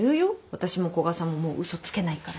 私も古賀さんももう嘘つけないからね。